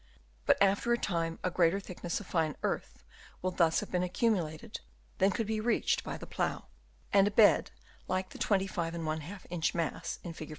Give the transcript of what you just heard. But after a time a greater thickness of fine earth will thus have been accumulated than could be reached by the plough ; and a bed like the 25^ inch mass, in Fig.